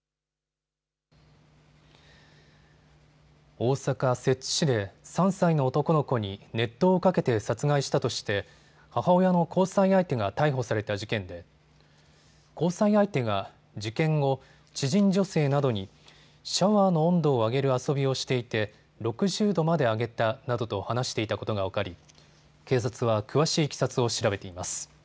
大阪摂津市で３歳の男の子に熱湯をかけて殺害したとして母親の交際相手が逮捕された事件で交際相手が事件後、知人女性などにシャワーの温度を上げる遊びをしていて６０度まで上げたなどと話していたことが分かり警察は詳しいいきさつを調べています。